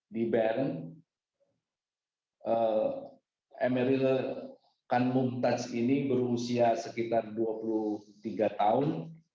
di bern emeril kanmumtaz ini berusia sekitar dua puluh tiga tahun